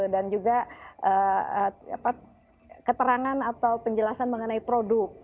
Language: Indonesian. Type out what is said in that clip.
dan juga keterangan atau penjelasan mengenai produk